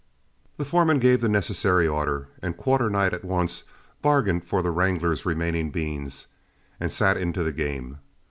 The foreman gave the necessary order, and Quarternight at once bargained for the wrangler's remaining beans, and sat into the game.